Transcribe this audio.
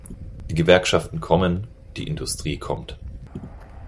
Die Gewerkschaften kommen, die Industrie kommt.